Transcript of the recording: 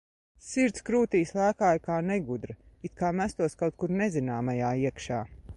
Sirds krūtīs lēkāja kā negudra, it kā mestos kaut kur nezināmajā iekšā.